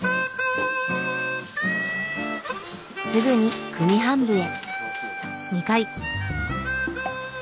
すぐに組み版部へ。